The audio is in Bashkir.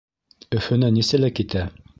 Өфөнән нисәлә китә?